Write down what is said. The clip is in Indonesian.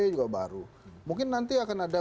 juga baru mungkin nanti akan ada